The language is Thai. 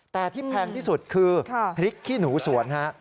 แต่ที่แพงที่สุดคือพริกขี้หนูสวนฮะ